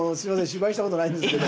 芝居したことないんですけど。